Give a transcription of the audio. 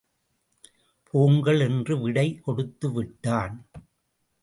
போங்கள் என்று விடை கொடுத்துவிட்டான்.